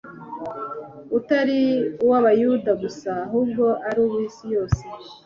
utari uw’Abayuda gusa, ahubwo ari uw’isi yose